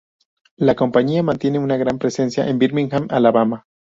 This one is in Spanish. La compañía mantiene una gran presencia en Birmingham, Alabama.